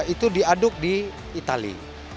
itu diaduk di itali